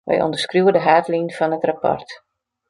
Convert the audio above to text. Wy ûnderskriuwe de haadlinen fan it rapport.